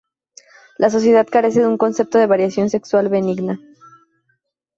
La sociedad carece de un concepto de variación sexual benigna.